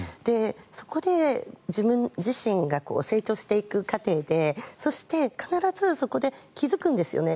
そこで自分自身が成長していく過程でそして必ずそこで気付くんですよね。